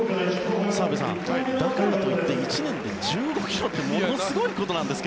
澤部さん、だからといって１年で１５ｋｇってものすごいことなんですが。